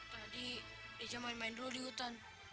tadi ica main main dulu di hutan